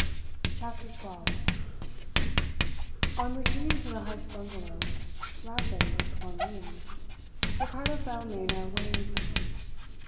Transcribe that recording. CHAPTER TWELVE On returning to the Heyst bungalow, rapid as if on wings, Ricardo found Lena waiting for him.